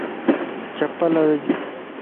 چپل وج